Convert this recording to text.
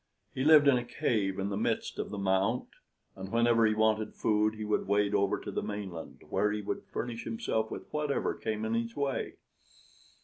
He lived in a cave in the midst of the Mount, and whenever he wanted food he would wade over to the mainland, where he would furnish himself with whatever came in his way.